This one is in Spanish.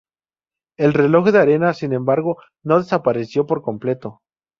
El reloj de arena, sin embargo, no desapareció por completo.